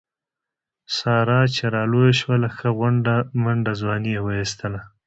ساره چې را لویه شوله ښه غونډه منډه ځواني یې و ایستله.